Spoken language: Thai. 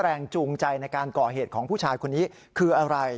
แรงจูงใจในการก่อเหตุของผู้ชายคนนี้คืออะไร